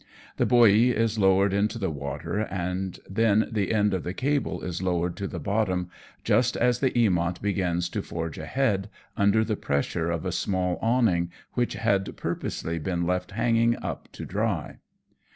The buoy is lowered into the water, and then the end of the cable is lowered to the bottom just as the Eamont begins to forge ahead under the pressure of a small awning which had purposely been left hanging up to dry.